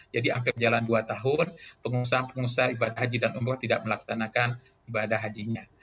jadi hampir jalan dua tahun pengusaha pengusaha ibadah haji dan umprah tidak melaksanakan ibadah hajinya